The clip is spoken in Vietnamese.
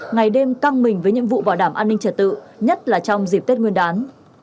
ngày đêm căng mình với nhiệm vụ bảo đảm an ninh trật tự nhất là trong dịp tết nguyên đán